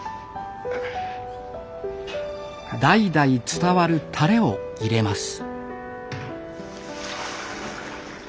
代々伝わるタレを入れます。